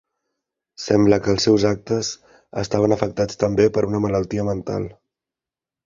Sembla que els seus actes estaven afectats també per una malaltia mental.